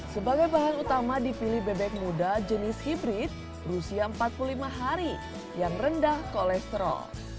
sebagai bahan utama dipilih bebek muda jenis hybrid berusia empat puluh lima hari yang rendah kolesterol